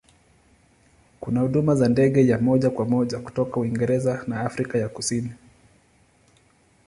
Kuna huduma za ndege ya moja kwa moja kutoka Uingereza na Afrika ya Kusini.